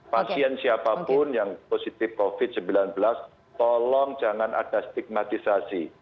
pasien siapapun yang positif covid sembilan belas tolong jangan ada stigmatisasi